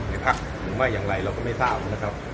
พักหรือไม่อย่างไรเราก็ไม่ทราบนะครับ